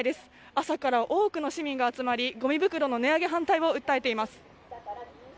朝から多くの市民が集まりごみ袋の値上げ反対を訴えています。